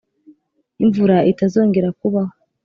imvura itazongera kubaho.